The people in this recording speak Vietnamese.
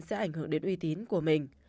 sẽ ảnh hưởng đến uy tín của mình